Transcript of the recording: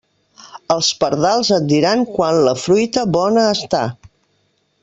Els pardals et diran quan la fruita bona està.